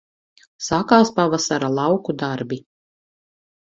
Sākās pavasara lauku darbi